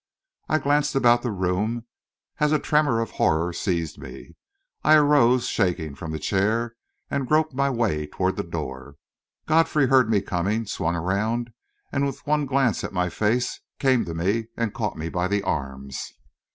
I glanced about the room, as a tremor of horror seized me. I arose, shaking, from the chair and groped my way toward the door. Godfrey heard me coming, swung around, and, with one glance at my face, came to me and caught me by the arms.